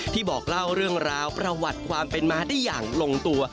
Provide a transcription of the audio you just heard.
บอกเล่าเรื่องราวประวัติความเป็นมาได้อย่างลงตัว